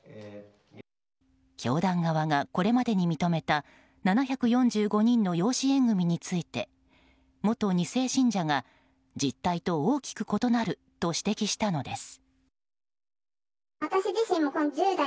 教団側がこれまでに認めた７４５人の養子縁組について元２世信者が実態と大きく異なると指摘したのです。